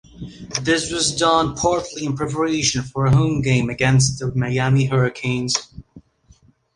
This was done partly in preparation for a home game against the Miami Hurricanes.